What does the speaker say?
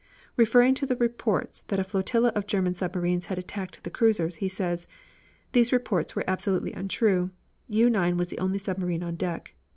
Referring to the reports that a flotilla of German submarines had attacked the cruisers, he says: "These reports were absolutely untrue. U 9 was the only submarine on deck."